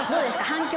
反響